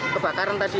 kebakaran tadi ya